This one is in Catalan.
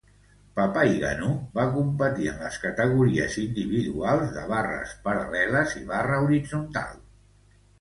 Papaigannou va competir en les categories individuals de barres paral·leles i barra horitzontal.